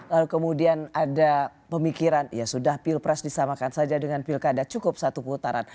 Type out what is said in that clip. lalu kemudian ada pemikiran ya sudah pilpres disamakan saja dengan pilkada cukup satu putaran